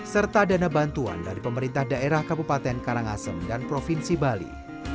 serta dana bantuan dari pemerintah daerah kabupaten karangasem dan provinsi bali